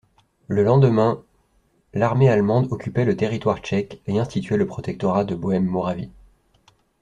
Le lendemain, l'armée allemande occupait le territoire tchèque et instituait le Protectorat de Bohême-Moravie.